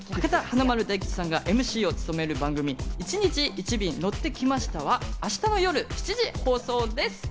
華丸・大吉さんがＭＣを務める番組『１日１便乗ってきました』は明日の夜７時放送です。